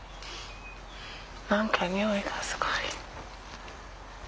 何か匂いがすごい。